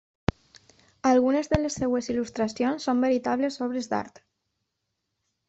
Algunes de les seves il·lustracions són veritables obres d'art.